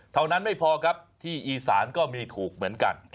เท่านั้นไม่พอครับที่อีสานก็มีถูกเหมือนกัน